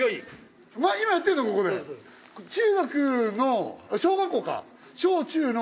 中学の小学校か。